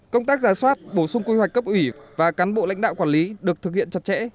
công tác giả soát bổ sung quy hoạch cấp ủy và cán bộ lãnh đạo quản lý được thực hiện chặt chẽ